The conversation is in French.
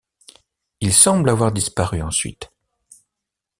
Ils semblent avoir disparu ensuite.